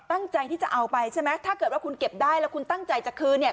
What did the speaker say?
ตั้งใจที่จะเอาไปใช่ไหมถ้าเกิดว่าคุณเก็บได้แล้วคุณตั้งใจจะคืนเนี่ย